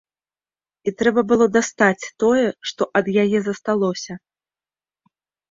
І трэба было дастаць тое, што ад яе засталося.